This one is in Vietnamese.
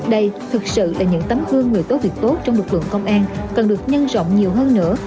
đây thực sự là những tấm gương người tốt việc tốt trong lực lượng công an cần được nhân rộng nhiều hơn nữa